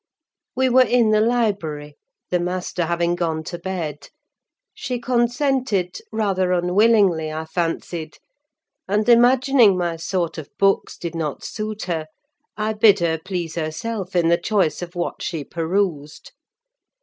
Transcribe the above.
We were in the library, the master having gone to bed: she consented, rather unwillingly, I fancied; and imagining my sort of books did not suit her, I bid her please herself in the choice of what she perused.